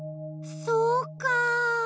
そうか。